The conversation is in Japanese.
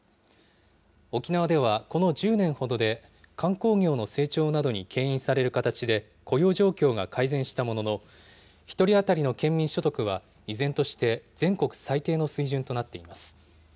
沖縄ではこの１０年ほどで観光業の成長などにけん引される形で雇用状況が改善したものの、１人当たりの県民所得は依然として全国最低の水準となっています。